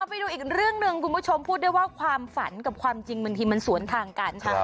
ไปดูอีกเรื่องหนึ่งคุณผู้ชมพูดได้ว่าความฝันกับความจริงบางทีมันสวนทางกัน